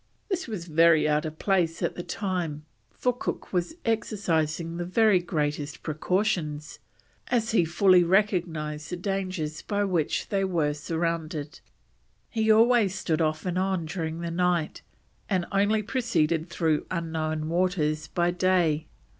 This was very out of place at the time, for Cook was exercising the very greatest precautions, as he fully recognised the dangers by which they were surrounded. He always stood off and on during the night, and only proceeded through unknown waters by day.